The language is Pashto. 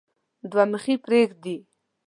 دوه مخي پريږدي.